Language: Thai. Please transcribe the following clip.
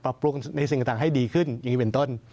ปรุงในสิ่งต่างให้ดีขึ้นอย่างนี้เป็นต้น